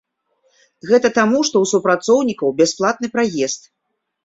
Гэта таму што у супрацоўнікаў бясплатны праезд.